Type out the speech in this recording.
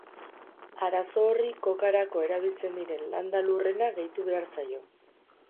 Arazo horri kokarako erabiltzen diren landa-lurrena gehitu behar zaio.